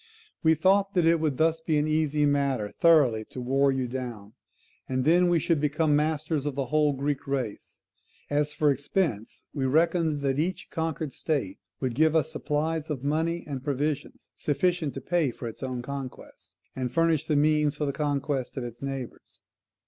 ] We thought that it would thus be an easy matter thoroughly to war you down; and then we should become the masters of the whole Greek race. As for expense, we reckoned that each conquered state would give us supplies of money and provisions sufficient to pay for its own conquest, and furnish the means for the conquest of its neighbours.